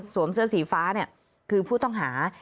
เสื้อสีฟ้าคือผู้ต้องหา